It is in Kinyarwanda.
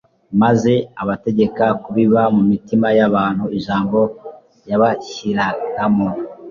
maze abategeka kubiba mu mitima y'abantu ijambo yabashyiragamo.